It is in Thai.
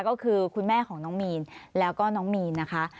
ก็คือคุณแม่ของน้องมีนแล้วก็น้องมีนนะคะ